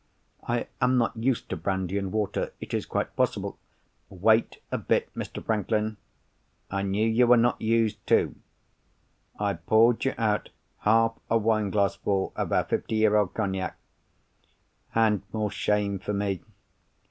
"I am not used to brandy and water. It is quite possible——" "Wait a bit, Mr. Franklin. I knew you were not used, too. I poured you out half a wineglass full of our fifty year old Cognac; and (more shame for me!)